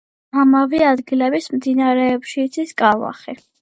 ამავე ადგილების მდინარეებში იცის კალმახი.